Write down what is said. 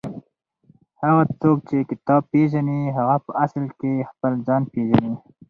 هغه څوک چې کتاب پېژني هغه په اصل کې خپل ځان پېژني.